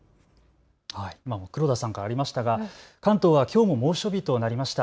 黒田さんからありましたが関東はきょうも猛暑日となりました。